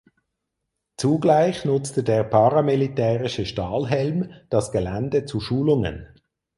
Zugleich nutzte der paramilitärische Stahlhelm das Gelände zu Schulungen.